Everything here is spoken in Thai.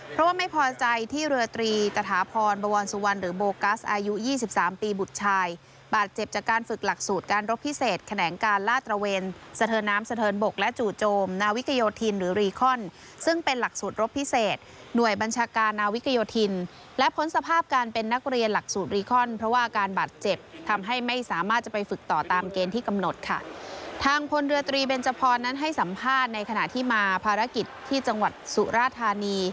เพราะว่าไม่พอใจที่เรือตรีตะหาพรบวรสุวรรณหรือโบกัสอายุ๒๓ปีบุษชายบาดเจ็บจากการฝึกหลักสูตรการรบพิเศษแขนงการลาดตระเวนสเตินน้ำสเตินบกและจูจมนาวิกยโยธินหรือรีคอนซึ่งเป็นหลักสูตรรบพิเศษหน่วยบัญชาการนาวิกยโยธินและผลสภาพการเป็นนักเรียน